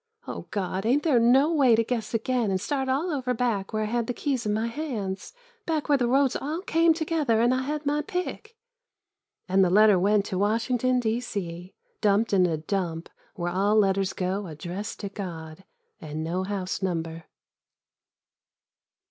O God, ain't there no way to guess again and start all over back where I had the keys in my hands, back where the roads all came together and I had my pick? And the letter went to Washington, D. C, dumped into a dump where all letters go addressed to God — and no house number.